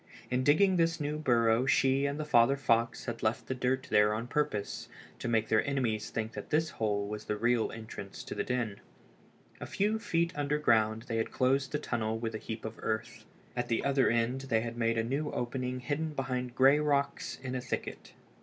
In digging this new burrow she and the father fox had left the dirt there on purpose, to make their enemies think that this hole was the real entrance to the den. A few feet underground they had closed the tunnel with a heap of earth. At the other end they had made a new opening hidden behind gray rocks in a thicket.